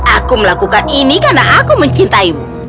aku melakukan ini karena aku mencintaimu